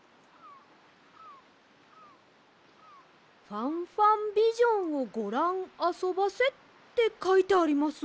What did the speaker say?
「ファンファンビジョンをごらんあそばせ」ってかいてあります。